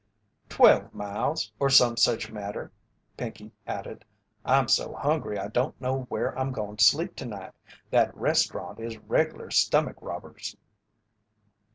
"Twelve miles, or some such matter." Pinkey added: "I'm so hungry I don't know where I'm goin' to sleep to night. That restaurant is reg'lar stummick robbers."